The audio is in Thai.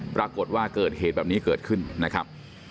ปรากฏว่าเกิดเหตุแบบนี้เกิดขึ้นนะครับ